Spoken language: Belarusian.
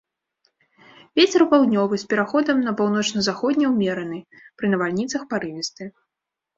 Вецер паўднёвы з пераходам на паўночна-заходні ўмераны, пры навальніцах парывісты.